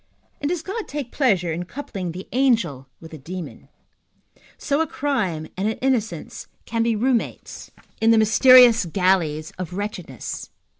and does God take pleasure in coupling the angel with the demon? So a crime and an innocence can be room mates in the mysterious galleys of wretchedness?